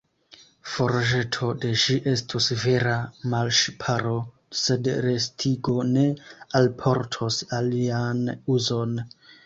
Forĵeto de ĝi estus vera malŝparo, sed restigo ne alportos alian uzon.